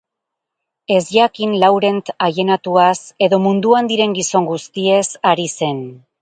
Ez jakin Laurent aienatuaz edo munduan diren gizon guztiez ari zen.